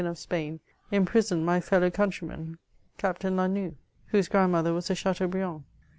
of Spain imprisoned my follow countiyman, Captain la Noue, whose grandmolher was a Chateanfanand